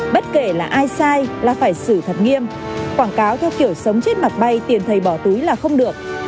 bất kể là ai sai là phải xử thật nghiêm quảng cáo theo kiểu sống chết mặt bay tiền thầy bỏ túi là không được